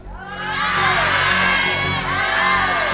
ใช่